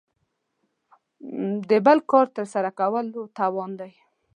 د بل کار تر سره کولو توان دی.